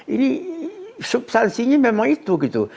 ini substansinya memang itu gitu